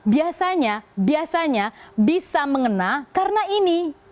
biasanya biasanya bisa mengena karena ini